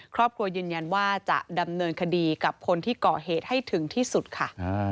ครอบครัวยืนยันว่าจะดำเนินคดีกับคนที่ก่อเหตุให้ถึงที่สุดค่ะ